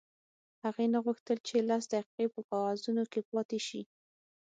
هغې نه غوښتل چې لس دقیقې په کاغذونو کې پاتې شي